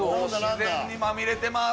自然にまみれてます。